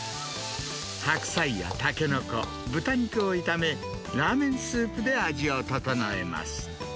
白菜やタケノコ、豚肉を炒め、ラーメンスープで味を調えます。